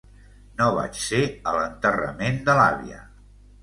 No vaig ser a l'enterrament de l'àvia.